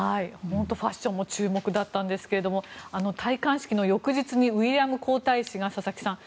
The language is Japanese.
ファッションも注目だったんですけれども戴冠式の翌日にウィリアム皇太子が、佐々木さん